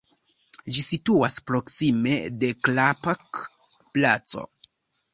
Ĝi situas proksime de Klapka-Placo.